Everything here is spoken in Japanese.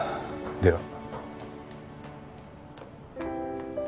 では。